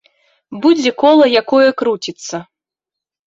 Будзе кола, якое круціцца.